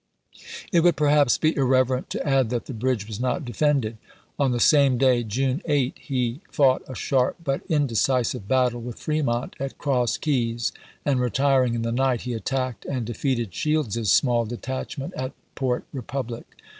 It would perhaps be irreverent to add that the bridge was not defended. On the same day, June 8, he fought a sharp but indecisive battle with Fremont at Cross Keys, and retiring in the night, he attacked and defeated Shields's small detachment at Port Eepublic.